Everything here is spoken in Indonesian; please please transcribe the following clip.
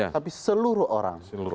tapi seluruh orang